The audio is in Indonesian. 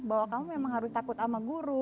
bahwa kamu memang harus takut sama guru